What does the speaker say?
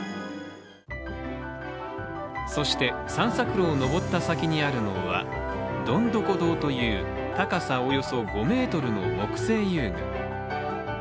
そして、散策路を上った先にあるのはどんどこ堂という、高さおよそ５ｍの木製遊具。